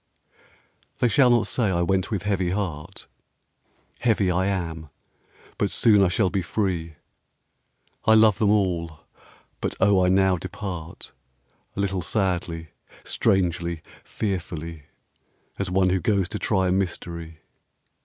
They shall not say I went with heavy heart: Heavy I am, but soon I shall be free; I love them all, but O I now depart A little sadly, strangely, fearfully, As one who goes to try a Mystery.